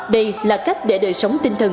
đây là cách để đời sống tinh thần